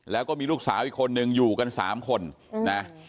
แล้วก็มีลูกสาวอีกคนนึงอยู่กัน๓คนนะ